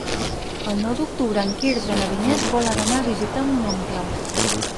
El nou d'octubre en Quirze i na Vinyet volen anar a visitar mon oncle.